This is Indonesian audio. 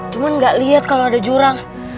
cuman gak liat kalau ada jurang